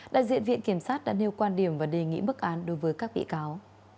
đại diện viện kiểm sát đã nêu quan điểm và đề nghị bức án đối với các bị cáo